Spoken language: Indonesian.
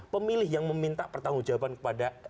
pemilih yang meminta pertanggung jawaban kepada